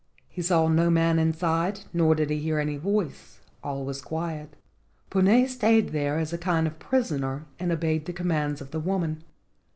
He saw no man inside nor did he hear any voice, all was quiet. Puna stayed there as a kind of prisoner and obeyed the commands of the woman.